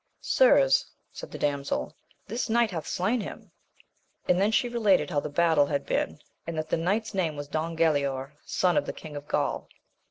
Sirs, said the damsel, this knight hath slain him; and then she related how the battle had been, and that the knight's name was Don Galaor, son of the King of Gaul.